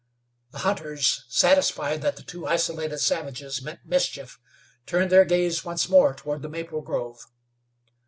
The hunters, satisfied that the two isolated savages meant mischief, turned their gaze once more toward the maple grove.